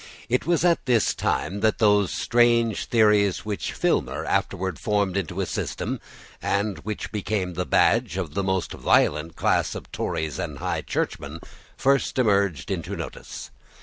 It was at this time that those strange theories which Filmer afterwards formed into a system and which became the badge of the most violent class of Tories and high churchmen, first emerged into notice.